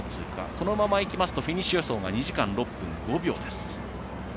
このままいきますとフィニッシュ予想が２時間６分５秒です。